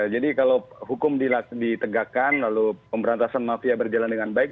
jadi kalau hukum ditegakkan lalu pemberantasan mafia berjalan dengan baik